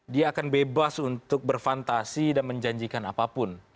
dia akan bebas untuk berfantasi dan menjanjikan apapun